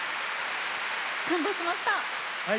感動しました。